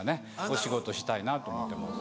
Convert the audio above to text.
お仕事したいなと思ってます。